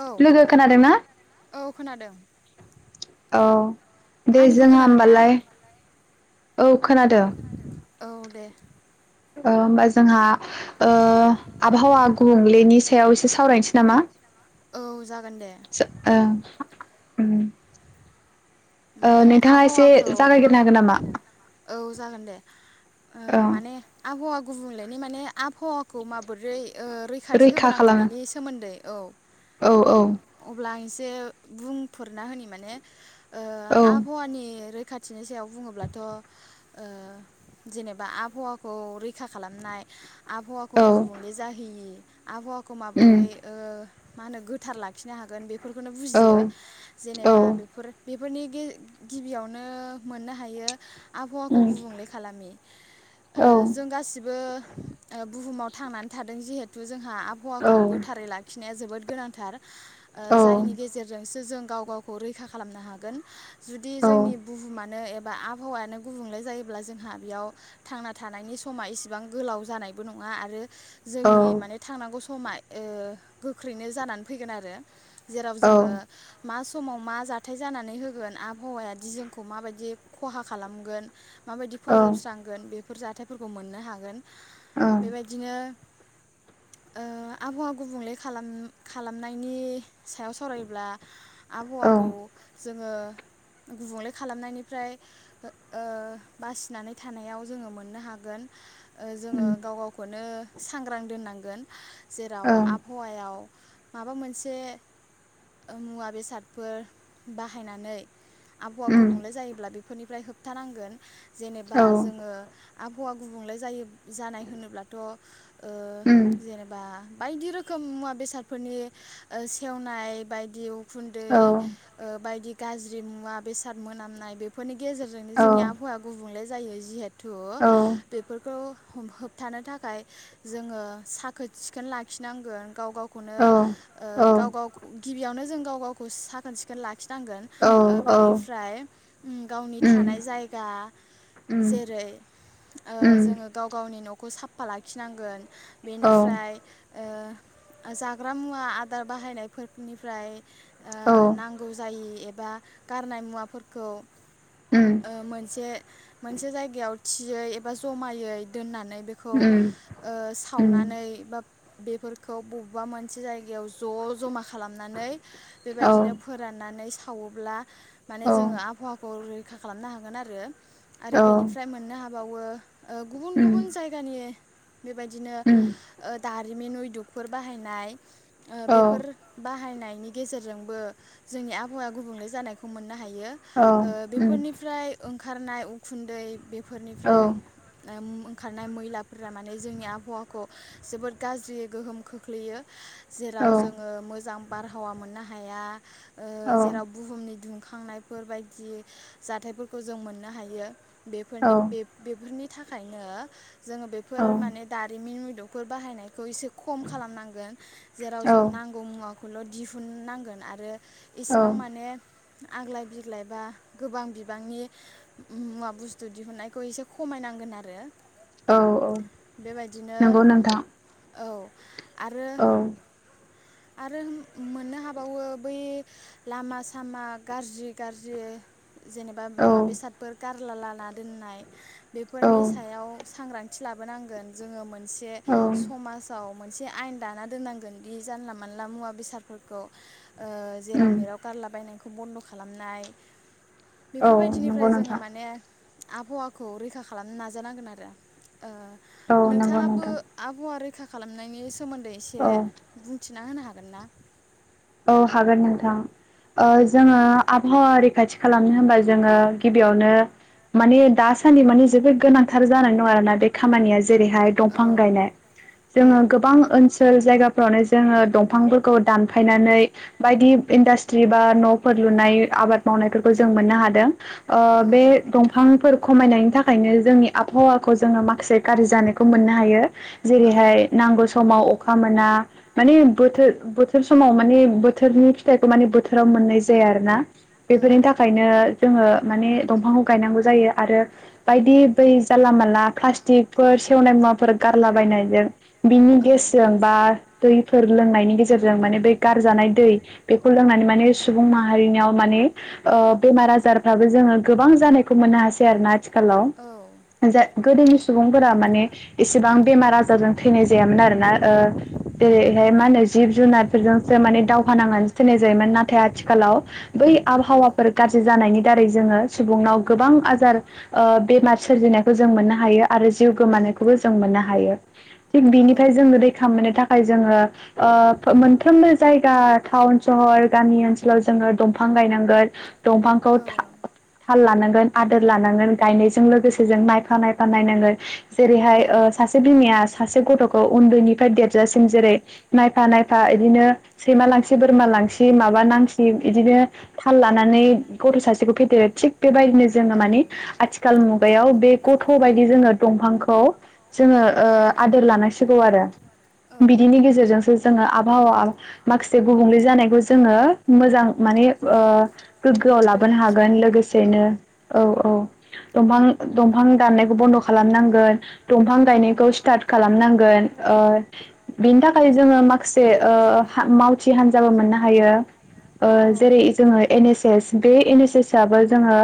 औ खोनादों औ खोनादों। औ दे जोंहा होमबालाय औ खोनादो। हो होमबा जोंहा ओ आबहावा गुबुंलेनि सायाव एसे सावरायनोसै नामा? औ जागोन दे। उम। ओ नोंथाङा एसे जागायगोरनो हागोन नामा? औ जागोन दे। ओ माने आबहावा गुबुंलेनि माने आबहावाखौ माबोरै? ओ रैखाथि होबोनांगौ बिनि सोमोन्दै? औ अब्ला जे बुंफोरना होनि माने। ओ आबहावानि रै खाथिनि सायाव बुङोब्लाथ' ओ जेनेबा आबहावाखौ रैखा खालामनाय आबहावाखौ गुबुंले जाहैयो। आबहावाखौ खौ माबोरै मा होनो गोथार लाखिनो हागोन बे बेफोरखौनो बुजियो जेनेबा बेफोर बेफोरनि गेजे गिबियावनो मोननो हायो आबहावाखौ गुबुंले खालामि ओ जों गासिबो ओ बुहुमाव थांनानै थादों जिहेथु जोंहा आबहावाखौ गोथारै लाखिनाया जोबोद गोनांथार। ओ जायनि गेजेरजोंसो जों गाव गावखौ रैखा खालामनो हागोन। हागोन। जुदि जोंनि बुहुमानो एबा बा आबहावायानो गुबुंले जायोब्ला जोंहा बेयाव थांना थानायनि समा इसिबां गोलाव जानायबो नङा आरो जोंनि माने थांनांगौ। समा ओ गोख्रैनो जानानै फैगोन आरो। जेराव जोङो मास समाव मा जाथाय जानानै होगोन आबहावायादि जोंखौ माबायदि खहा खालामगोन माबायदि फोजोबस्रांगोन बे बेफोर जाथायफोरखौ मोननो हागोन। बेबायदिनो ओ आबहावा गुबुंले खालाम खालामनायनि सायाव सरायोब्ला आबहावाखौ जोङो गुबुंले खालामनायनिफ्राय ओ बासिनानै थानायाव जोङो मोननो हागोन। ओ जोङो गाव गावखौनो सांग्रां दोननांगोन। जेराव आबहावायाव माबा मोनसे मुवा बेसादफोर बाहायनानै आबहावा गुबुंले जायोब्ला बेफोरनिफ्राय होबथानांगोन। जेनेबा जोङो आब हौवा गुबुंले जायो जानाय होनोब्लाथ ओ जेनेबा बायदि रोखोम मुवा बेसादफोरनि ओ सेवनाय बायदि उखुन्दै बायदि गाज्रि मुवा बेसाद मोनामनाय बेफोरनि गेजेरजोंनो जोंनि आबहावा गुबुंले जायो जिहेत थु बेफोरखौ होबथानो थाखाय जोङो साखोन सिखोन लाखिनांगोन गाव गाव खौनो ओ गाव गाव गिबियावनो जों गाव गावखौ साखोन सि [unintelligible] नांगोन ओ बेनिफ्राय गावनि थानाय जायगा जेरै ओ जोङो गाव गावनि नखौ साफा लाखिनांगोन बेनिफ्राय ओ जाग्रा मुवा आदार बाहायनायफोरनिफ्राय ओ नां गौ जायि एबा गारनाय मुवाफोरखौ ओ मोनसे मोनसे जायगायाव थियै एबा जमायै दोननानै बेखौ ओ सावनानै बा बेफोरखौ बबेबा मोनसे जायगायाव ज' जमा खालामनानै बेबायदिनो फोराननानै सावोब्ला माने जोङो आबहावाखौै खा खालामनो हागोन आरो आरो बेनिफ्राय मोननो हा बावो ओ गुबुन गुबुन जायगानि बेबायदिनो ओ दारिमिन नयदुगफोर बाहायनाय ओ बेफोर बाहायनाय नि गेजेरजोंबो जोंनि आबहावाया गुबुंले जानायखौ मो नोहायो ओ बेफोरनिफ्राय ओं ओंखारनाय उखुन्दै बेफोरनिफ्राय उम ओंखारनाय मैलाफोरा माने जोंनि आबहावाखौ जोबोद गाज्रियै गोहोम खोख्लैयो जेराव जोङो मोजां बारहावा मोननो हाया ओ जेराव बुहुमनि दुं खांनायफोर बायदि जाथायफोरखौ जों मोननो हायो बेफोरनि बे-बेफोरनि थाखायनो जोङो बेफोर माने दा रिमिन उयदफोर बाहायनायखौ इसे खम खालामनांगोन जेराव जों नांगौ मुवा खौल दिहुननांगोन आरो इसिबां माने आग्लाय बिग्लाय बा गोबां बिबांनि मुवा बुस्थु दिहुननायखौ एसे खमायनांगोन आरो बेबायदिनो औ आरो आरो मोननो हाबावो बै लामा सामा गाज्रि गाज्रि जेनेबा मुवा बेसादफोर गारला लाना दोननाय। बेफोरनि सायाव सांग्रांथि लाबोनांगोन जोङो मोनसे समाजाव मोनसे आयेन दाना दोननांगोन दि जानला मानला मुवा बेसादफोरखौ ओ जेराव मेराव गारलाबायनायखौ बन्द खालामनाय। बेफोरबायदिनिफ्राय जोङो माने आबहावाखौ रैखा खालामनो नाजानांगोन आरो ओ नोंथाङाबो आबहावा रैखा खालामनायनिस सोमोन्दै एसे बुंथिना होनो हाग गोन ना। औ हागोन नोंथां ओ जोङो आबहाव रैखाथि खालामनो होनबा जोङो गिबियावनो माने दासान्दि माने जोबोद गोनांथार जानानै दङ आरोना बे खामानिया। जेरैहाय दंफां गायनाय जोङो गोबां ओनसोल जायगा फोरावनो जोङो दंफांफोरखौ दान फायनानै बायदि इंडस्ट्री बा न'फोर लुनाय आबाद मावनायफोरखौ जों मोननो हादों। ओ बे दंफांफोर खमायनायनि थाखायनो जोंनि आबहावाखौ जोङो माखासे गाज्रि जानायखौ मोननो हायो। जेरैहाय नांगौ समाव अख अखा मोना माने बोथोर बोथो बोथोर समाव माने बोथोरनि फिथाइखौ माने बोथोराव मोननाय जाया आरो ना। बेफोरनि थाखायनो जोङो माने दंफांखौ गायनांगौ जायो। आरो बायदि बै जानला मला प्लास्टिकफोर सेवनाय मुवाफोर गारलाबायनायजों बिनि गेसजों बा दैफोर लोंनायनि गे गेजेरजों माने बे गारजानाय दै बेखौ लोंनानै माने सुबुं माहारिनियाव माने ओ बेमार आजारफ्राबो जोङो गोबां जानायखौ मोननो हासै आरोना। आथिखालाव जा गोदोनि सुबुंफोरा माने एसेबां बेमार आजारजों थैनाय जायामोन आरो ना ओ जैहाय माहोनो जिब जुनारफोरजोंसो माने दावहा नांनानै थैनाय जायोमोन। नाथाय आथिखालाव बै आबहावाफोर गाज्रि जानायनि दारै जोङो सुबुंनाव गोबां आजार ओ बेमार सोरजिनायखौ जों मोननो हायो आरो जिउ गोमानायखौबो जों मोननो हायो। थिग बिनिफ्राय जोङो रैखा मोननो थाखा खाय जोङो। ओ मोनफ्रोमबो जायगा टाउन सहर गामि ओनसोलाव जोङो दंफां गायनांगोन। दंफांखौ था-थाल लानांगोन। आदोर लानांगोन गायनायजों लोगोसे जों नायफा नायफा नायनांगोन। जेरैहाय ओ सासे बिमाया सासे गथखौ उन्दैनिफ्राय देरजासिम जेरै नायफा नायफा बिदिनो सैमा लांसि बोरमा लांसि माबा नांसि बिदिनो थाल लानानै गथ सासेखौ फेदेरो थिग बेबायदिनो जोङो माने आथिखाल मु आव बे गथ बायदि जोङो दफांखौ जोङ ओ आद लानांसिगौ आरो बिदिनि गेजेरजों जोङो आबहावा माखासे गुबुंले जानायखौ जोङो मोजां माने ओ गोग्गोआव लाबोनो हागोन लोगोसेनो औ औ दंफां दंफां दाननायखौ बन्द खालामनांगोन दंफां गायनायखौ स्टार्ट खालामनांगोन ओ बेनि थाखाय जोङो माखासे मावथि हान्जाबो मोननो हायो। ओ जेरै जोङो एन एस एस बे एन एस एसाबबो जोङो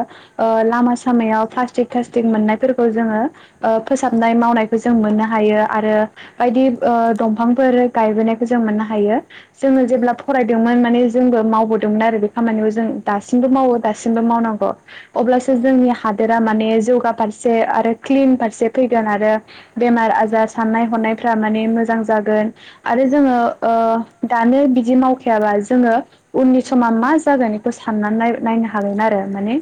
ओ लामा सामायाव प्लास्टिक थ्लाासटिक मोननायफोरखौ जोङो ओ फोसाबनाय मावनायखौ जों मोना हायो आरो बायदि ओ दंफांफोर गायबोनायखौ जों मोननो हायो। जोङो जेब्ला फरायदोंमोन माने जोंबो मावबोदोंमोन आरो बे खामानियाव जों दासिमबो मावो दासिमबो मावनांगौ। अब्लासो जोंनि हादोरा माने जौगा फारसे आरो क्लिन फारसे फैगोन आरो बेमार आजार साननाय हनाय फ्रा माने मोजां जागोन आरो जोङो ओ दानो बिदि मावखायाबा जोङो उननि समा मा जागोन बेखौ साननानै नाय-नायनो हागोन आरो माने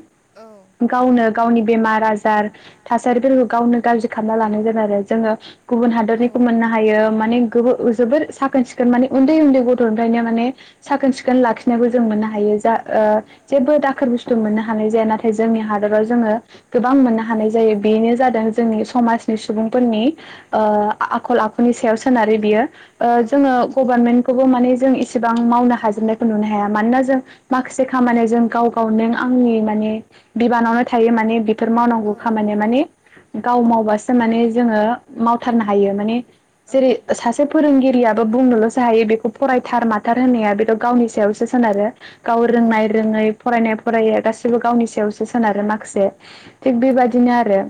गावनो गावनि बेमार आजार थासारिफोरखौ गावनो गाज्रि खालामना लानाय जादों आरो जोङो गुबुन हादरनिखौ मोननो हायो माने [unintelligible] जोबोर साखोन सिखोन माने उन्दै उन्दै गथनिफ्रायनो माने साखोन सिखोन लाखिनायखौ जों मोननो हायो जा ओ जेबो दाखोर बुस्थु मोननो हानाय जाया नाथाय जोंनि हादराव जोङो गोबां मोननो हानाय जायो। बेनो जादों जोंनि समाजनि सुबुंफोरनि ओ आखल आखुनि सायाव सोनार बियो ओ जोङो गभारमेन खौबो माने जों इसेबां मावनो हाजोबनायखौ नुनो हाया मानोना जों माखासे खामानिया जों गाव गाव नों आंनि माने बिबानावनो थायो माने बि बेफोर मावनांगौ खामानि माने गाव मावबासो माने जोङो मावथारनो हायो माने जेरै सासे फोरोंगिरियाबो बुंनोलसो हायो बेखौ फरायथार माथार होननाया बेथ गावनि सायावसो सोनारो गाव रोंनाय रोङै फरायनाय फरायैआ गासिबो गावनि सायावसो सोनारो माखासे थिग बेबायदिनो आरो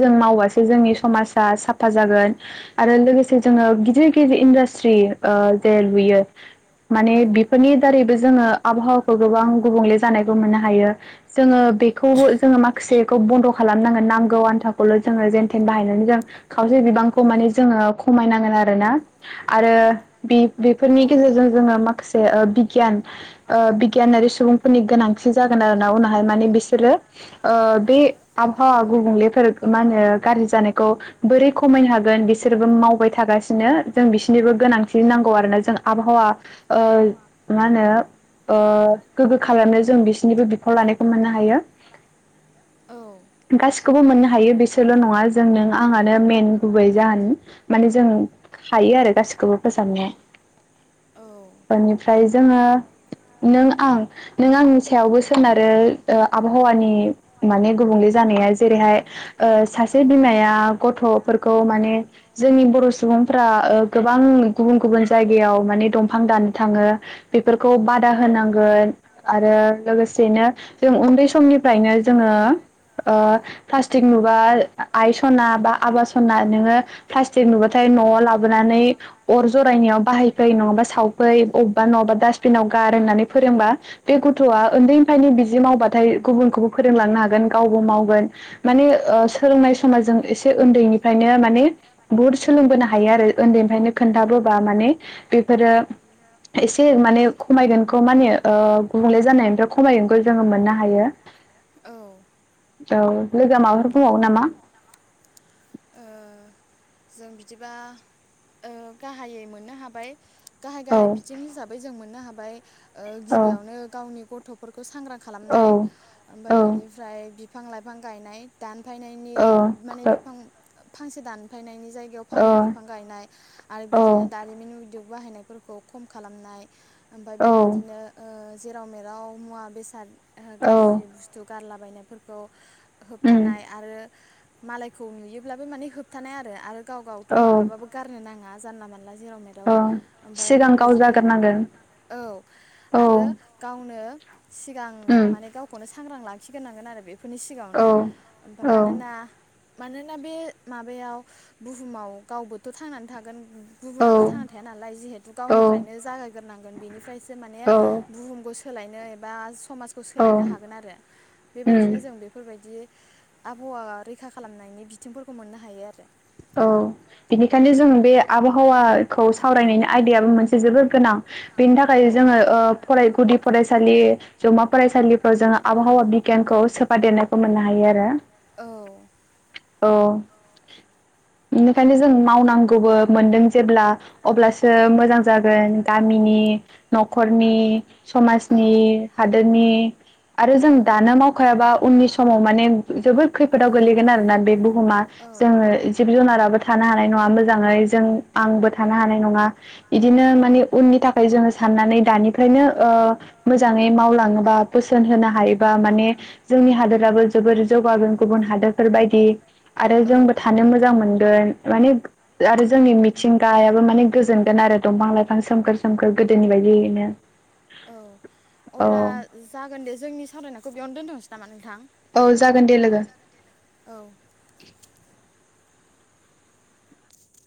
जों मावबासो जोंनि समाजा साफा जागोन आरो लोगोसे जोङो गिदिर गिदर इन्दासट्रि ओ जे लुयो माने बिफोरनि दारैबो जोङो आबहावाखौ गोबां गुबुंले जानायखौ मोननो हायो जोङो बेखौबो जोङो माखासेखौ बन्द खालामनांगोन नांगौ आन्थाखौल जोङो जेन थेन बाहायनानै जों खावसे बिबांखौ माने जोङो खमायनांगोन आरो आरोना आरो बे बेफोरनि गेजेरजों जोङो माखासे ओ बिगियान ओ बिगियानारि सुबुंफोरनि गोनांथि जागोन आरोना उनावहाय माने बिसोरो ओ बे आबहावा गुबुंलेफोरख मा होन ओ गारजि जानायखौ बोरै खमायनो हागोन बिसोरबो मावबाय थागासिनो नो जों बिसोरनिबो गोनांथि नांगौ आरोना जों आबहावा ओ मा नो ओ गोग्गो खालामनो जों बिसोरनिबो बिफाव लानायखौ मोननो हायो। गास खौबो मोननो हायो बिसोरल नंङा जों नों आंङानो मेन गुबै जाहोन माने जों हायो आरो गासिखौबो फोसाबनो बेनिफ्राय जोंङो नों आं नों आंनि सायावबो सोनारो आबहावानि माने गुबुंले जानाया जेरै हाय ओ सासे बिमाया गथ' फोरखौ माने जोंनि बर' सुबुं फ्रा ओ गोबां गुबुन गुबुन जायगायाव माने दंफां दाननो थांङो बे फोरखौ बादा होनांगोन। आरो लोगोसेनो जों उन्दै समनिफ्रायनो जोंङो ओ थास थि नुबा आइ सना बा आबा सना नोंङो फ्लास जे नुबाथाय न लाबोनानै अर जरायनायाव बाहायफै नङाबा सावफै अबबा नङाबा डास्टबिनाव गार होननानै फोरोंबा बे गथ'आ उन्दैनिफ्रायनो बि दि मावबाथाय गुबुनखौबो फोरोंलांनो हागोन गावबो मावगोन माने ओ सोलोंनाय समाज जों एसे उन्दैनिफ्रायनो माने बुहुद सोलोंबोनो हा हायो आरो उन्दै निफ्रायनो खोन्थाबोबा माने बेफोरो एसे माने खमायगोनखौ माने ओ गुबुंले जानायनिफ्राय खमायगोनखौ जोंङो मोननो हायो। औ औ लोगोआ माबाफोर बुंबावगोन नामा? जों बिदिबा ओ गाहायै मोननो हाबाय गाहाय गाहाय बिथिं हिसाबै जों मोननो हाब बाय ओ गिबियावनो गावनि गथ'फोरख खौ सांग्रां खालामनाय औ ओमफाय बिनिफ्राय बि फां लाइफां गायनाय दान फायनायनि माने बिफां फांसे दान फायनायनि जायगायाव फांनै बिफां गायनाय आरो बिदिनो दारिमिन बिद बाहायनायफोरखौ खम खालामनाय ओमफाय बेबायदिनो‌ ओ जेराव मेराव मुवा बेसाद ओ गारजि बुस्थु गारलाबायनायफोरखौ होबथानाय आरो मालायखौ नुयोब्लाबो माने होब थानाय आरो आरो गाव गावथ' माब्लाबाबो गारनो नाङा जानला मोनला जि जेराव मेराव आमफाय बेबादिनो सिगां गाव जागोरनांगोन औ आरो गावनो सिगां माने गावखौनो सि सांग्रां लाखिग्रोनांगोन आरो बे बेफोरनि सिगाङावनो ओमफाय मानोना मानोना बे माबायाव बुहुमाव गावबोथ थांनानै थागोन गुबुनाल थांना थाया नालाय जिहेतु गावनिफ्रायनो जागायग्रोनांगोन बेनिफ्रायसो माने बुहुमखौसो सोलायनो एबा स समाजखौ सोलायनो हागोन आरो बेबायदिनो जों बेफोरबायदि आबहावा रैखा खालामनायनि बिथिंफोरखौ खौ मोननो हायो आरो औ बिनिखायनो जों बे आबहावाखौ सावरायनायनि आयदायाबो मोनसे जोबोर गोनां बेनि थाखाय जोङो ओ फराय गुदि फरायसालि जौमा फरायसालिफ्राव जोङो आबहावा बिगियानखौ सोफादेरनायखौ मोननो हायो आरो औ औ बेनिखायनो जों मावनांगौबो मोनदों जेब्ला अब्लासो मोजां जागोन गामिनि न'खरनि समासनि हादोरनि आरो जों दानो मावखायाबा उननि समाव माने जोबोद खैफोदाव गोलैगोन आरोना बे बुहुमा जोङो जिब जुनाराबो थानो हानाय नङा मोजाङै जों आंबो थानो हानाय नङा इदिनो माने उननि थाखाय जोङो सान्नानै दानिफ्रायनो ओ मोजाङै मावलाङोबा बोसोन होना हायोबा माने जोंनि हादोराबो जोबोर जौगागोन गुबुन हादोरफोर बायदि आरो जोंबो थानो मोजां मोजां मोनगोन माने आरो जोंनि मिथिंगायाबो माने गोजोनगोन आरो दंफां लाइफां सोमखोर सोमखोर गोदोनि बायदियैनो औ जोंनि सावरायनायखौ बेयावनो दोनथनोसै नामा नोंथां औ जागोन दे लोगो